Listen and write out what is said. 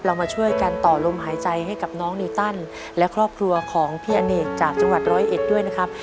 มาช่วยกันต่อลมหายใจให้กับน้องนีตันและครอบครัวของพี่อเนกจากจังหวัดร้อยเอ็ดด้วยนะครับ